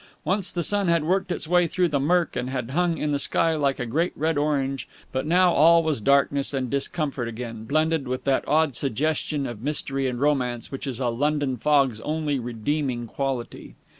Once the sun had worked its way through the murk and had hung in the sky like a great red orange, but now all was darkness and discomfort again, blended with that odd suggestion of mystery and romance which is a London fog's only redeeming quality.